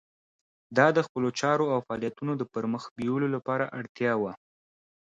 دا د خپلو چارو او فعالیتونو د پرمخ بیولو لپاره اړتیا وه.